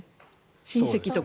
親戚とか。